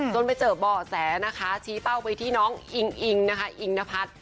จนไปเจอบ่อแสนะคะชี้เป้าไปที่น้องอิงอิงนะคะอิงนพัฒน์